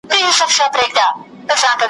د اګسټ د میاشتي پر دیارلسمه `